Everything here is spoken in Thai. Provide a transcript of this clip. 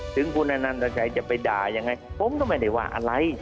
ถึงคุณอนันตชัยจะไปด่ายังไงผมก็ไม่ได้ว่าอะไร